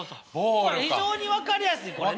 非常に分かりやすいこれね。